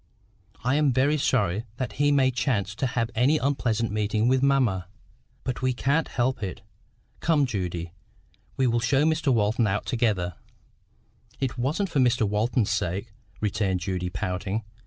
I am very sorry that he may chance to have an unpleasant meeting with mamma; but we can't help it. Come, Judy, we will show Mr Walton out together." "It wasn't for Mr Walton's sake," returned Judy, pouting.